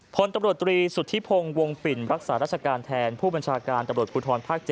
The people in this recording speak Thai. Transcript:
พลตำรวจตรีสุธิพงศ์วงปิ่นรักษาราชการแทนผู้บัญชาการตำรวจภูทรภาค๗